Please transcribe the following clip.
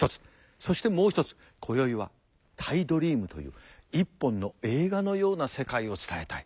そしてもう一つ今宵はタイドリームという一本の映画のような世界を伝えたい。